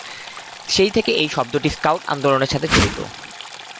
সেই থেকে এই শব্দটি স্কাউট আন্দোলনের সাথে জড়িত।